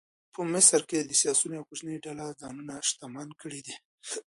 په مصر کې د سیاسیونو یوې کوچنۍ ډلې ځانونه شتمن کړي دي.